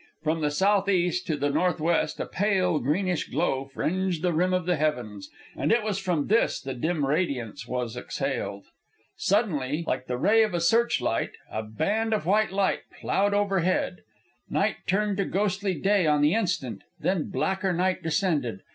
From the south east to the northwest a pale greenish glow fringed the rim of the heavens, and it was from this the dim radiance was exhaled. Suddenly, like the ray of a search light, a band of white light ploughed overhead. Night turned to ghostly day on the instant, then blacker night descended.